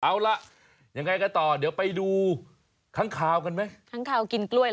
เอาละยังไงกระต่อเดี๋ยวไปดูข้างขาวกันมั้ย